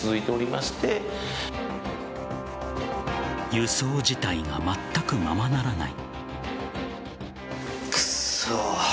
輸送自体がまったくままならない。